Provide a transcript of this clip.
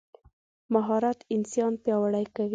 مهارت انسان پیاوړی کوي.